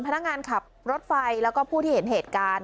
พนักงานขับรถไฟแล้วก็ผู้ที่เห็นเหตุการณ์